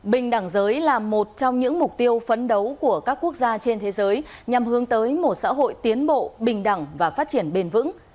bình đẳng giới là một trong những mục tiêu phấn đấu của các quốc gia trên thế giới nhằm hướng tới một xã hội tiến bộ bình đẳng và phát triển bền vững